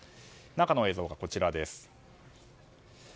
中の映像がこちらです。